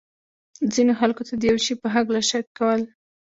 ځینو خلکو ته د یو شي په هکله شک کول.